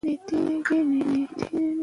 غازیان به له هرې خوا راټولېدلې وو.